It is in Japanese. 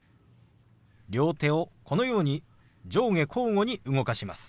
両手をこのように上下交互に動かします。